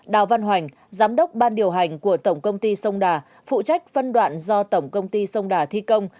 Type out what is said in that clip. đào văn hoành giám đốc ban điều hành của tổng công ty sông đà phụ trách phân đoạn do tổng công ty sông đà thi công